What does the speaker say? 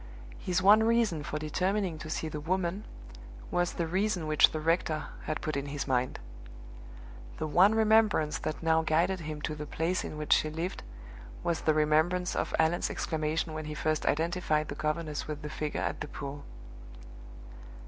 His one reason for determining to see the woman was the reason which the rector had put in his mind. The one remembrance that now guided him to the place in which she lived was the remembrance of Allan's exclamation when he first identified the governess with the figure at the pool.